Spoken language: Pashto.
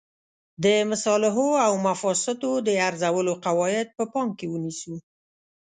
د مصالحو او مفاسدو د ارزولو قواعد په پام کې ونیسو.